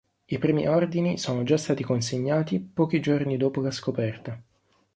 I primi ordini sono già stati consegnati pochi giorni dopo la scoperta.